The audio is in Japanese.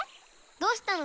どうしたの？